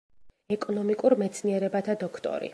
ეკონომიკურ მეცნიერებათა დოქტორი.